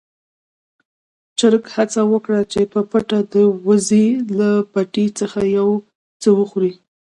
چرګ هڅه وکړه چې په پټه د وزې له پټي څخه يو څه وخوري.